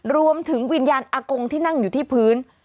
วิญญาณอากงที่นั่งอยู่ที่พื้น